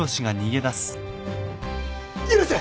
許せ！